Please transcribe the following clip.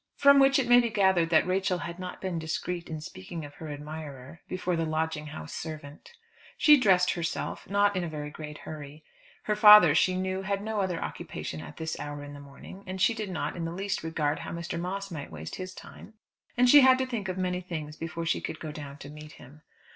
From which it may be gathered that Rachel had not been discreet in speaking of her admirer before the lodging house servant. She dressed herself, not in a very great hurry. Her father, she knew, had no other occupation at this hour in the morning, and she did not in the least regard how Mr. Moss might waste his time. And she had to think of many things before she could go down to meet him.